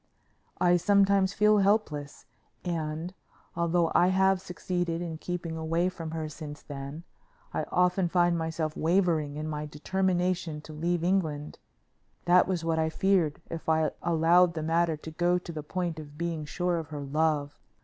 I sometimes feel helpless, and, although I have succeeded in keeping away from her since then, I often find myself wavering in my determination to leave England. That was what I feared if I allowed the matter to go to the point of being sure of her love.